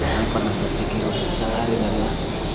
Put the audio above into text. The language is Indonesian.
jangan pernah berpikir untuk sehari nara